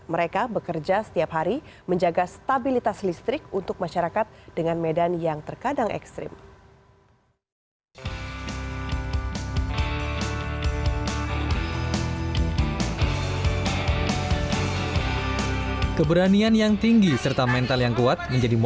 mereka bekerja setiap hari menjaga stabilitas listrik untuk masyarakat dengan medan yang terkadang ekstrim